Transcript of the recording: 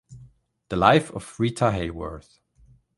The Life of Rita Hayworth".